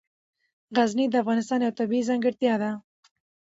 غزني د افغانستان یوه طبیعي ځانګړتیا ده.